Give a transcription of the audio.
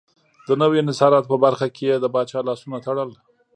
د نویو انحصاراتو په برخه کې یې د پاچا لاسونه تړل.